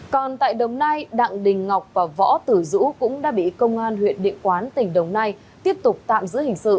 còn tại đồng nai đặng đình ngọc và võ tử dũ cũng đã bị công an huyện địa quán tỉnh đồng nai tiếp tục tạm giữ hình sự